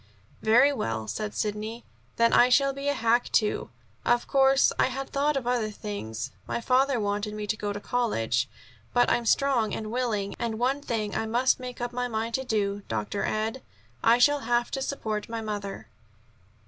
"Very well," said Sidney. "Then I shall be a hack, too. Of course, I had thought of other things, my father wanted me to go to college, but I'm strong and willing. And one thing I must make up my mind to, Dr. Ed; I shall have to support my mother."